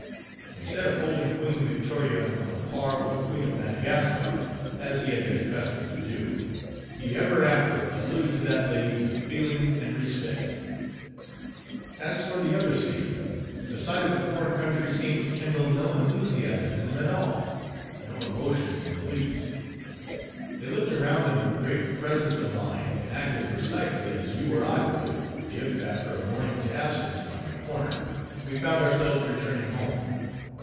Instead of holding Queen Victoria on a par with the Queen of Madagascar, as he had been accustomed to do; he ever after alluded to that lady with feeling and respect. As for the other seamen, the sight of a foreign country seemed to kindle no enthusiasm in them at all: no emotion in the least. They looked around them with great presence of mind, and acted precisely as you or I would, if, after a morning's absence round the corner, we found ourselves returning home.